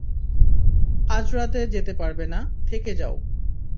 আজরাতে যেতে পারবে না, থেকে যাও।